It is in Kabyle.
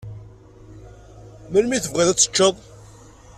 Melmi i tebɣiḍ ad teččeḍ?